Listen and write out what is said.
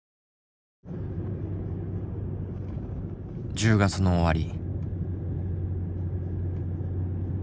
１０月の終わり。